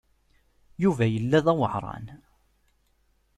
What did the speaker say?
Yuba yella d aweɛṛan.